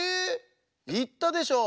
いったでしょう？